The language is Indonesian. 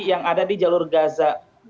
yang ada di jalur gaza